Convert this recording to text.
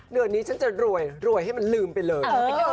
เดือนนี้ฉันจะรวยรวยให้มันลืมไปเลย